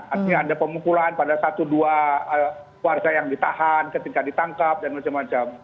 artinya ada pemukulan pada satu dua warga yang ditahan ketika ditangkap dan macam macam